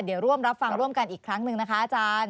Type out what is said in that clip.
เดี๋ยวร่วมรับฟังร่วมกันอีกครั้งหนึ่งนะคะอาจารย์